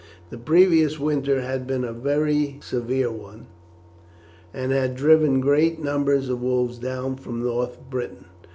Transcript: The previous winter had been a very severe one, and had driven great numbers of wolves down from North Britain.